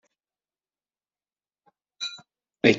Akken nettɛelli deg lehwa i ineqqes wuksijin.